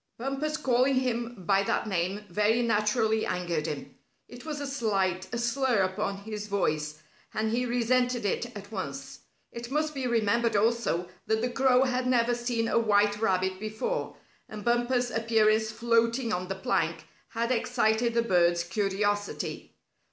Bumper's calling him by that name very naturally angered him. It was a slight, a slur upon his voice, and he resented it at once. It must be remembered also that the crow had never seen a white rabbit before, and Bumper's appearance floating on the plank had excited the bird's curiosity.